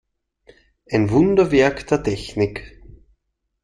Ein Wunderwerk der Technik.